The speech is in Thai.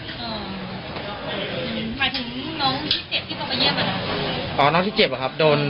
หมายถึงน้องที่เจ็บที่เขามาเยี่ยมเหรอ